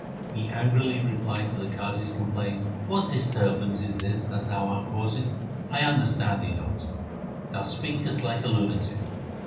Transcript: He angrily replied to the Qazi's complaint :' What disturbance is this that thou art causing ? I understand thee not. Thou speakest like a lunatic.